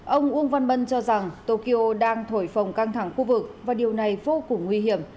ông uông văn bân cho rằng tokyo đang thổi phồng căng thẳng khu vực và điều này vô cùng nguy hiểm